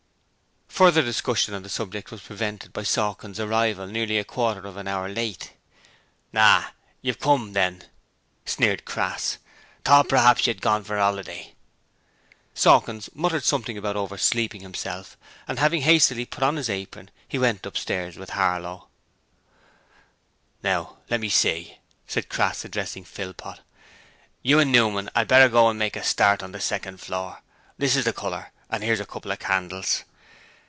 Further discussion on this subject was prevented by Sawkins' arrival, nearly a quarter of an hour late. 'Oh, you 'ave come, then,' sneered Crass. 'Thought p'raps you'd gorn for a 'oliday.' Sawkins muttered something about oversleeping himself, and having hastily put on his apron, he went upstairs with Harlow. 'Now, let's see,' Crass said, addressing Philpot. 'You and Newman 'ad better go and make a start on the second floor: this is the colour, and 'ere's a couple of candles.